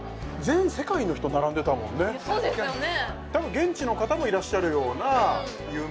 もうそうですよね